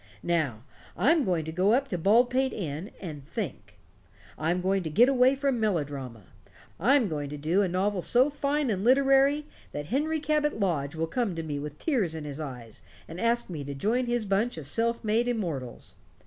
Now, I'm going to go up to Baldpate Inn, and think. I'm going to get away from melodrama. I'm going to do a novel so fine and literary that Henry Cabot Lodge will come to me with tears in his eyes and ask me to join his bunch of self made Immortals.